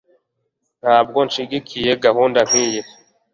Ntabwo nshyigikiye gahunda nkiyi